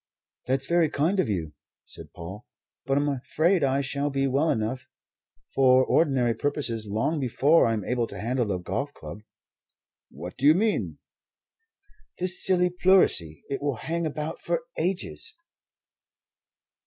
"That's very kind of you," said Paul, "but I'm afraid I shall be well enough for ordinary purposes long before I'm able to handle a golf club." "What do you mean?" "This silly pleurisy. It will hang about for ages!"